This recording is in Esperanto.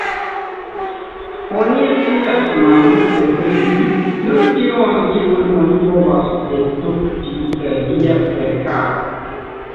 Oni scias malmulte pri li, nur tion kiun oni povas dedukti el lia verkaro.